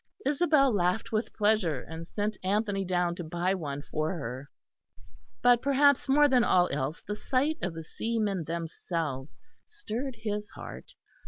Isabel laughed with pleasure, and sent Anthony down to buy one for her. But perhaps more than all else the sight of the seamen themselves stirred his heart.